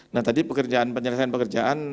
nah tadi penyelesaian pekerjaan